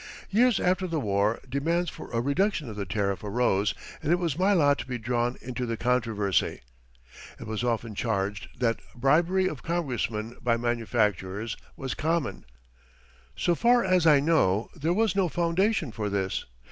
Years after the war, demands for a reduction of the tariff arose and it was my lot to be drawn into the controversy. It was often charged that bribery of Congressmen by manufacturers was common. So far as I know there was no foundation for this.